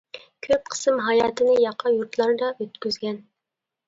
كۆپ قىسىم ھاياتىنى ياقا يۇرتلاردا ئۆتكۈزگەن.